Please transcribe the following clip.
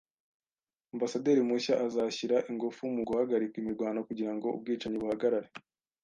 Ambasaderi mushya azashyira ingufu mu guhagarika imirwano kugira ngo ubwicanyi buhagarare.